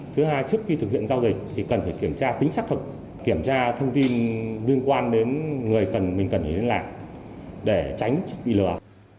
thứ hai trước khi thực hiện giao dịch thì cần phải kiểm tra tính xác thực kiểm tra thông tin liên quan đến người mình cần liên lạc để tránh bị lừa